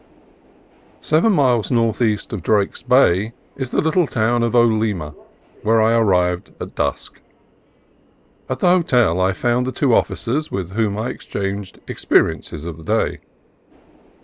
Seven miles northeast of Drake's Bay is the little town of Olema, where I arrived at dusk. At the hotel I found the two officers, with whom I exchanged experiences of the day.